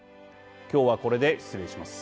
今日はこれで失礼します。